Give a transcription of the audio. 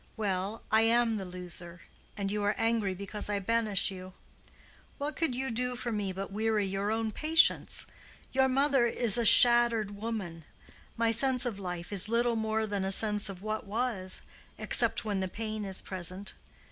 Well—I am the loser. And you are angry because I banish you. What could you do for me but weary your own patience? Your mother is a shattered woman. My sense of life is little more than a sense of what was—except when the pain is present.